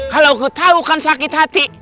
kalau kau tau kan sakit hati